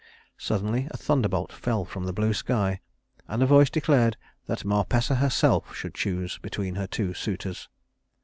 Suddenly a thunderbolt fell from the blue sky, and a voice declared that Marpessa herself should choose between her two suitors.